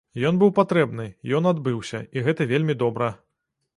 Ён быў патрэбны, ён адбыўся, і гэта вельмі добра.